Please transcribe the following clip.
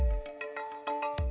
dan juga di kota jambi